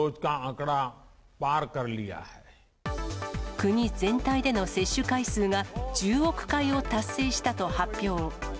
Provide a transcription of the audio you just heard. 国全体での接種回数が１０億回を達成したと発表。